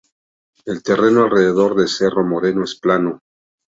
El terreno alrededor de Cerro Moreno es plano.